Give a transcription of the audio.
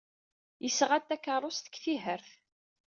Yesɣa-d takeṛṛust-a deg Tihert.